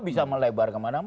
bisa melebar kemana mana